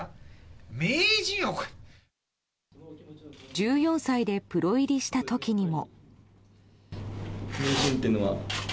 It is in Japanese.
１４歳でプロ入りした時にも。